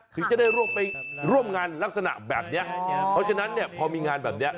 คือจะได้ร่วมงานลักษณะแบบนี้เพราะฉะนั้นพอมีงานแบบนี้